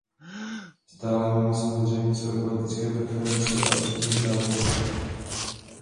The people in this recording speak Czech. Stále máme samozřejmě své politické preference a osobní přátele.